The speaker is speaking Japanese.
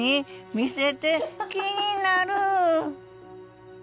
見せて気になる！